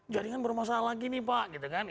jaringan bermasalah lagi nih pak